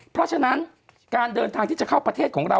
เพราะฉะนั้นการเดินทางที่จะเข้าประเทศของเรา